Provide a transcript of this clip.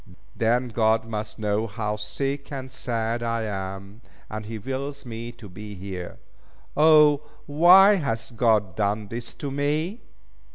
Then God must know how sick and sad I am, and He wills me to be here. O, why hath God done this to me!"